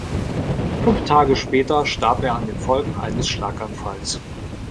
Fünf Tage später starb er an den Folgen eines Schlaganfalls.